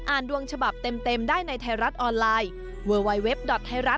อ่านดวงฉบับเต็มได้ในไทยรัฐออนไลน์